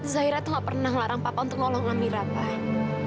zaira tuh gak pernah ngelarang papa untuk ngolong lamira pak